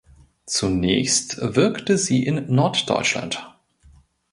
Zunächst wirkte sie in Norddeutschland.